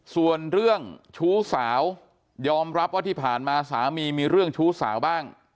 ส่วนเรื่องชู้สาวยอมรับว่าที่ผ่านมาสามีมีเรื่องชู้สาวบ้าง